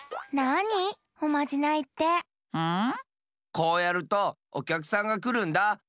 こうやるとおきゃくさんがくるんだ。